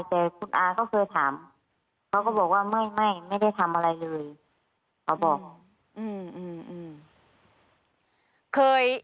แต่คุณอาก็เคยถามเขาก็บอกว่าไม่ไม่ไม่ได้ทำอะไรเลยเขาบอกอืม